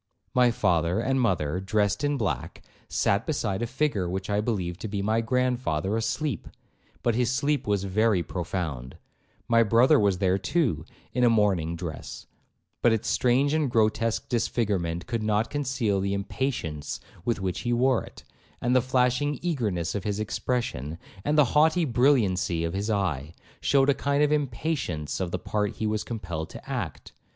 My father and mother, dressed in black, sat beside a figure which I believed to be my grandfather asleep, but his sleep was very profound; my brother was there too, in a mourning dress, but its strange and grotesque disfigurement could not conceal the impatience with which he wore it, and the flashing eagerness of his expression, and the haughty brilliancy of his eye, shewed a kind of impatience of the part he was compelled to act.